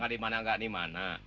gak dimana gak dimana